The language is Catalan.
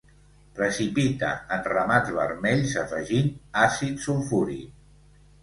Precipita en ramats vermells afegint àcid sulfúric.